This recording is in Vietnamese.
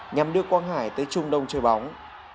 nhằm đưa quang hải tới trung đông chơi bóng